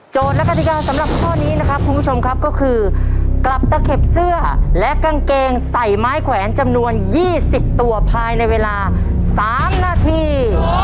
และกฎิกาสำหรับข้อนี้นะครับคุณผู้ชมครับก็คือกลับตะเข็บเสื้อและกางเกงใส่ไม้แขวนจำนวน๒๐ตัวภายในเวลา๓นาที